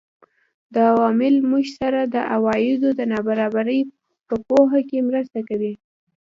دا عوامل موږ سره د عوایدو د نابرابرۍ په پوهه کې مرسته کوي